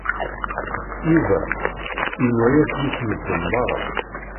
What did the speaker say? Yuba yenwa-yas yif medden meṛṛa.